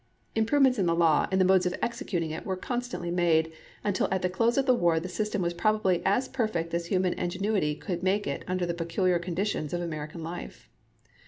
Improvements in the law and the modes of execu ting it were constantly made, until at the close of the war the system was probably as perfect as human ingenuity could make it under the peculiar conditions of American life.